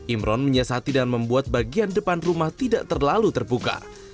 imron menyiasati dan membuat bagian depan rumah tidak terlalu terbuka